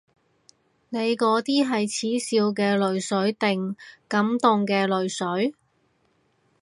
你嗰啲係恥笑嘅淚水定感動嘅淚水？